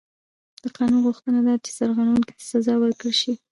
د قانون غوښتنه دا ده چې سرغړونکي ته سزا ورکړل شي.